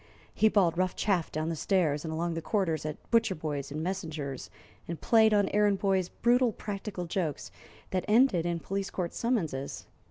He bawled rough chaff down the stairs and along the corridors at butcher boys and messengers, and played on errand boys brutal practical jokes that ended in police court summonses.